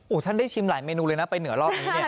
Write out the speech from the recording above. อุ้ยท่านได้ชิมหลายเมนูเลยนะไปเหนือรออย่างงี้